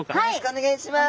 お願いします。